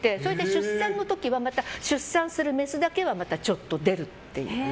出産の時はまた出産するメスだけはまたちょっと出るという。